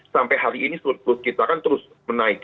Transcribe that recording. sampai hari ini surplus kita kan terus menaik